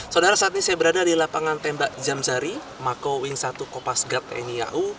saudara saat ini saya berada di lapangan tembak jamzari mako wing satu kopasgat tni au